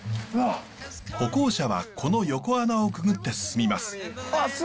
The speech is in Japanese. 歩行者はこの横穴をくぐって進みます。